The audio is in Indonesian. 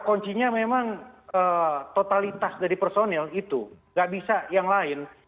kuncinya memang totalitas dari personil itu nggak bisa yang lain